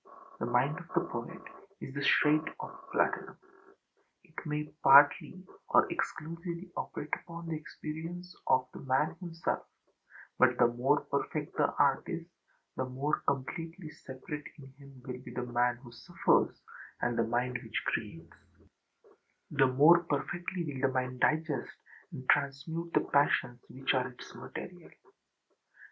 The mind of the poet is the shred of platinum. It may partly or exclusively operate upon the experience of the man himself; but, the more perfect the artist, the more completely separate in him will be the man who suffers and the mind which creates; the more perfectly will the mind digest and transmute the passions which are its material.